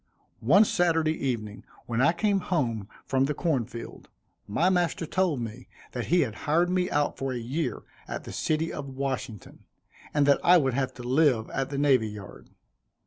One Saturday evening, when I came home from the corn field, my master told me that he had hired me out for a year at the city of Washington, and that I would have to live at the Navy Yard.